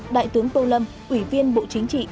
đại tướng tô lâm ủy viên bộ chính trị